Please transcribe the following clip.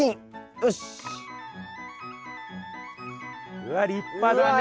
うわ立派だね。